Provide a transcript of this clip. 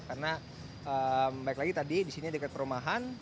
karena balik lagi tadi disini dekat perumahan